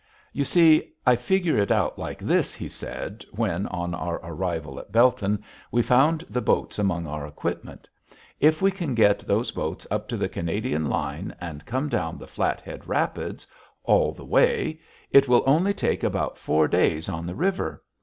"You see, I figure it out like this," he said, when, on our arrival at Belton, we found the boats among our equipment: "If we can get those boats up to the Canadian line and come down the Flathead rapids all the way, it will only take about four days on the river.